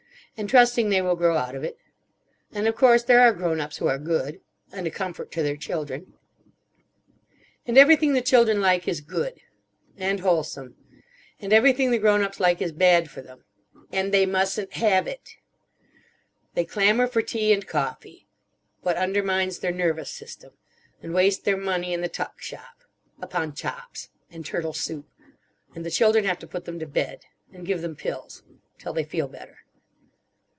And trusting they will grow out of it. And of course there are grown ups who are good. And a comfort to their children. "And everything the children like is good. And wholesome. And everything the grown ups like is bad for them. And they mustn't have it. They clamour for tea and coffee. What undermines their nervous system. And waste their money in the tuck shop. Upon chops. And turtle soup. And the children have to put them to bed. And give them pills. Till they feel better.